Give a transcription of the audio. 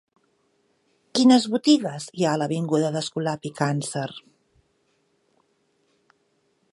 Quines botigues hi ha a l'avinguda d'Escolapi Càncer?